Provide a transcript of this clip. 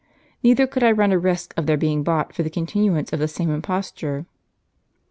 Neither could I run a risk of their being bought for the continuance of the same imposture."